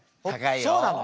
そうなの。